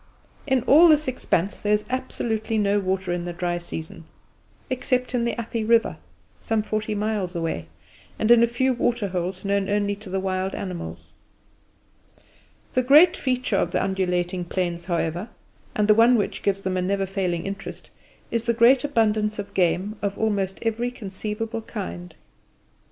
In all this expanse there is absolutely no water in the dry season, except in the Athi River (some forty miles away) and in a few water holes known only to the wild animals. The great feature of the undulating plains, however, and the one which gives them a never failing interest, is the great abundance of game of almost every conceivable kind.